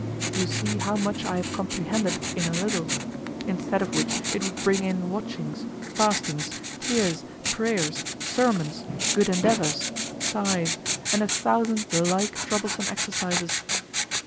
You see how much I have comprehended in a little: instead of which it would bring in watchings, fastings, tears, prayers, sermons, good endeavors, sighs, and a thousand the like troublesome exercises.